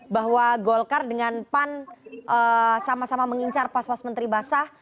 bahwa golkar dengan pan sama sama mengincar pos pos menteri basah